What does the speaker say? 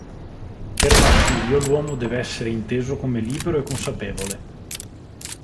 Per Marsilio l'uomo deve essere inteso come libero e consapevole.